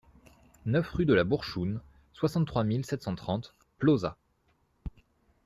neuf rue de la Bourchoune, soixante-trois mille sept cent trente Plauzat